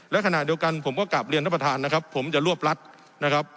และขณะเดียวกันผมก็กลับเรียนท่านประธานนะครับผมจะรวบรัฐนะครับ